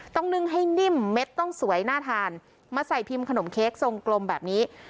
นึ่งให้นิ่มเม็ดต้องสวยน่าทานมาใส่พิมพ์ขนมเค้กทรงกลมแบบนี้